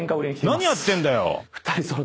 何やってんだよ